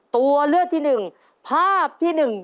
ตัวเลือกที่หนึ่งภาพที่หนึ่ง